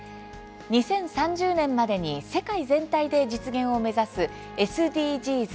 ２０３０年までに世界全体で実現を目指すＳＤＧｓ